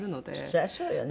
そりゃそうよね。